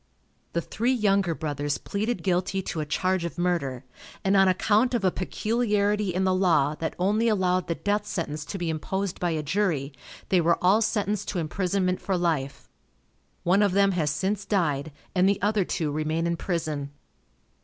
The three Younger Brothers pleaded guilty to a charge of murder, and on account of a peculiarity in the law, that only allowed the death sentence to be imposed by a jury, they were all sentenced to imprisonment for life. One of them has since died, and the other two remain in prison.